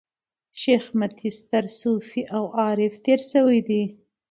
شېخ متي ستر صوفي او عارف تېر سوی دﺉ.